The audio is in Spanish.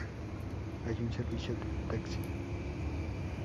Hay un servicio de taxi.